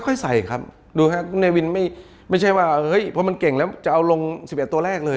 ค่อยใส่ครับดูครับในวินไม่ใช่ว่าเฮ้ยพอมันเก่งแล้วจะเอาลง๑๑ตัวแรกเลย